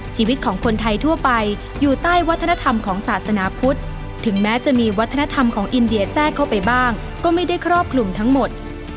ชีวิตของคนไทยทั่วไปอยู่ใต้วัฒนธรรมของศาสนาพุทธถึงแม้จะมีวัฒนธรรมของอินเดียแทรกเข้าไปบ้างก็ไม่ได้ครอบคลุมทั้งหมด